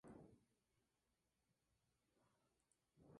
los organismos públicos deben asegurarse de que controlan el software